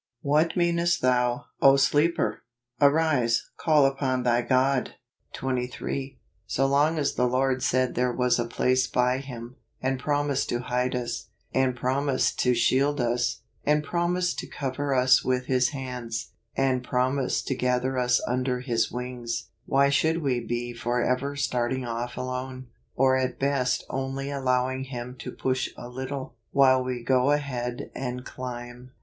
" What meanest thou, 0 sleeper ? arise, call upon thy God ." 23. So long as the Lord said there was a place by Him, and promised to hide us, and promised to shield us, and promised to cover us v r ith His hands, and promised to gather us under His wings, why should we be forever starting off alone, or at best only allowing Him to push a little, while we go ahead and climb